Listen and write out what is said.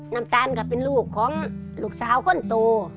นำตาลเป็นลูกของลูกสาวคนตัว